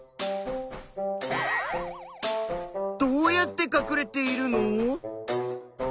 どうやってかくれているの？